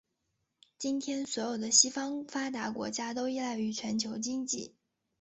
今天所有的西方发达国家都依赖于全球经济。